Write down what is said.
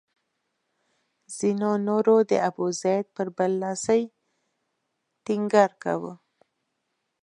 ځینو نورو د ابوزید پر برلاسي ټینګار کاوه.